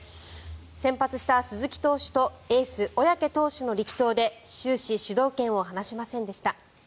先発した鈴木投手とエース、小宅投手の力投で終始、主導権を離しませんでした。